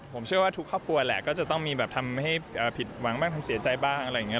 ผมเชื่อว่าทุกครอบครัวแหละก็จะต้องมีแบบทำให้ผิดหวังบ้างทำเสียใจบ้างอะไรอย่างนี้